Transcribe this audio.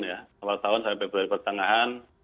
awal tahun sampai februari pertengahan